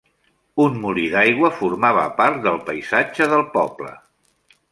Un molí d'aigua formava part del paisatge del poble.